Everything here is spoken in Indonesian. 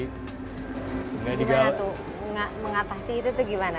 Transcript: gimana tuh mengatasi itu tuh gimana